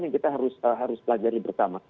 yang kita harus pelajari bersama